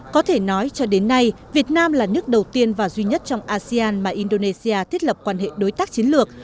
có thể nói cho đến nay việt nam là nước đầu tiên và duy nhất trong asean mà indonesia thiết lập quan hệ đối tác chiến lược